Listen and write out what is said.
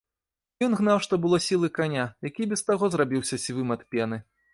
Ён гнаў што было сілы каня, які і без таго зрабіўся сівым ад пены.